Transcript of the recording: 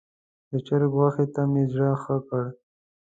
د چرګ غوښې ته مې زړه ښه کړ.